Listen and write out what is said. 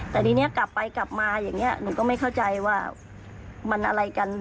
แต่ทีนี้กลับไปกลับมาอย่างนี้หนูก็ไม่เข้าใจว่ามันอะไรกัน